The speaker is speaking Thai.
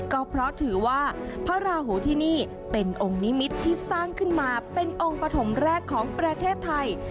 ก็เพราะถือว่าพระราหูที่นี่เป็นองค์นิมิตรที่สร้างขึ้นมาเป็นองค์ปฐมแรกของประเทศไทย